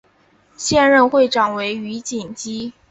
现任会长为余锦基。